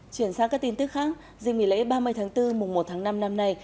chuyển sang các tin tức khác dịch mỉ lễ ba mươi tháng bốn mùng một tháng năm năm nay